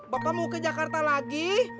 bapak mau ke jakarta lagi